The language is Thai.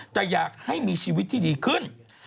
แต่อยากให้มีชีวิตที่ดีขึ้น